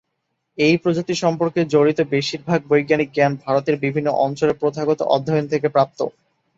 এই প্রজাতি সম্পর্কে জড়িত বেশিরভাগ বৈজ্ঞানিক জ্ঞান ভারতের বিভিন্ন অঞ্চলে প্রথাগত অধ্যয়ন থেকে প্রাপ্ত।